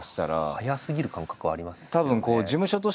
早すぎる感覚はありますよね。